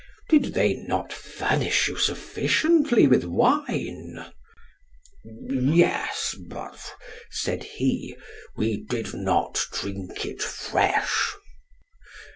Did not they furnish you sufficiently with wine? Yes, but, said he, we did not drink it fresh.